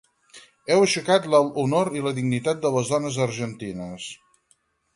Heu aixecat alt l’honor i la dignitat de les dones argentines.